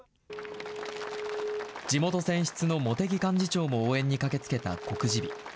地元選出の茂木幹事長も応援に駆けつけた告示日。